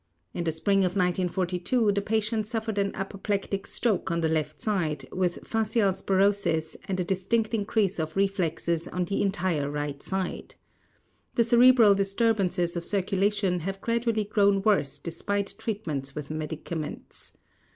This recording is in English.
In the spring of 1942, the patient suffered an apoplectic stroke on the left side, with facialisparosis and a distinct increase of reflexes on the entire right side. The cerebral disturbances of circulation have gradually grown worse despite treatments with medicaments.